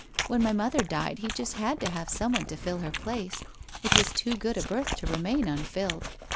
When my mother died he just had to have someone to fill her place. It was too good a berth to remain unfilled.